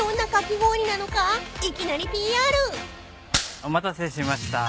お待たせしました。